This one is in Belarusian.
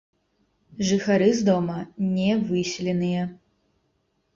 Жыхары з дома не выселеныя.